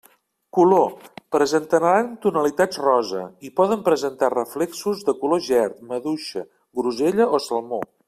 Color: presentaran tonalitats rosa, i poden presentar reflexos de color gerd, maduixa, grosella o salmó.